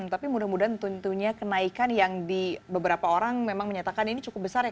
tapi mudah mudahan tentunya kenaikan yang di beberapa orang memang menyatakan ini cukup besar ya